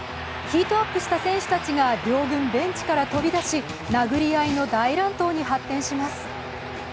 ヒートアップした選手たちが両軍ベンチから飛び出し、殴り合いの大乱闘に発展します。